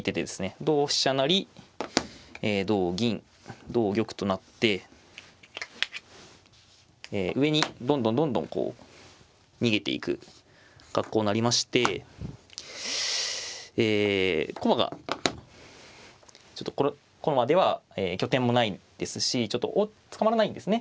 同飛車成同銀同玉となって上にどんどんどんどんこう逃げていく格好なりましてええ駒がちょっとこの駒では拠点もないですしちょっと捕まらないんですね。